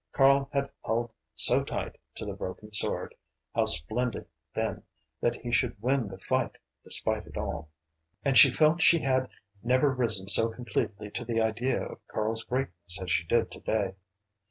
Karl had held so tight to the broken sword how splendid then that he should win the fight despite it all. And she felt she had never risen so completely to the idea of Karl's greatness as she did to day.